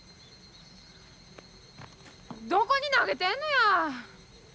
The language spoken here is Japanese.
どこに投げてんのや！